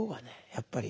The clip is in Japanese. やっぱり